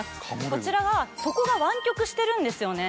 こちらは底が湾曲してるんですよね。